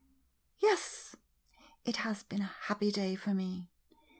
] Yes, it has been a happy day for me.